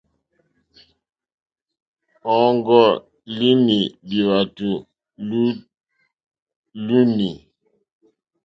Ɔ́ŋɡɔ́línì lwàtò lúúǃní.